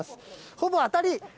ほぼ当たり。